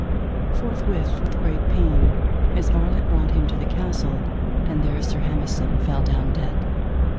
For[thwith] with great pain his varlet brought him to the castle, and there Sir Hemison fell down dead.